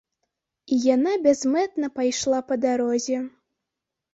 І яна бязмэтна пайшла па дарозе.